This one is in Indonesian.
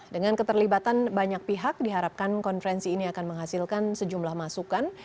dengan keterlibatan banyak pihak diharapkan konferensi ini akan menghasilkan sejumlah masukan